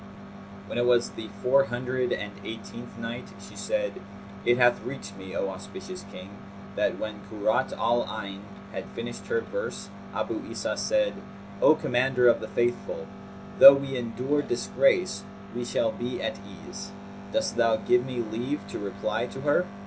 When it was the Four Hundred and Eighteenth Night, She said, It hath reached me, O auspicious King, that when Kurrat al Ayn had finished her verse, Abu Isa said, "O Commander of the Faithful, though we endure disgrace, we shall be at ease.[FN#223] Dost thou give me leave to reply to her?"